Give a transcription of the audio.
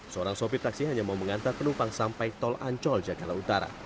seorang sopir taksi hanya mau mengantar penumpang sampai tol ancol jakarta utara